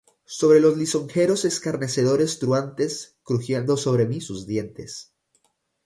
Con los lisonjeros escarnecedores truhanes, Crujiendo sobre mí sus dientes.